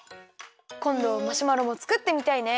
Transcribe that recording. こんどマシュマロもつくってみたいね！